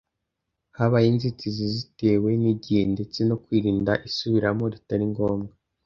habayeho inzitizi zitewe n’igihe ndetse no kwirinda isubiramo ritari ngombwa